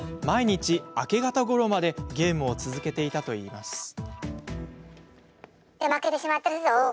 毎日、明け方ごろまでゲームを続けていたといいます。